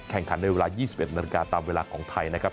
แข่งขันโดยเวลา๒๑นตามเวลาของไทยนะครับ